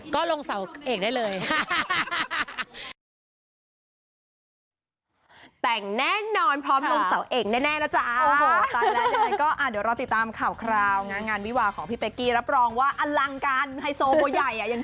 ก็ลงเสาเอกได้เลย